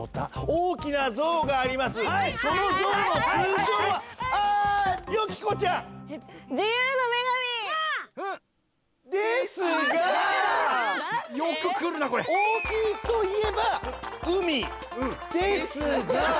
おおきいといえばうみですが。